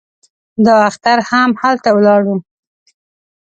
دا اختر هم هلته ولاړو.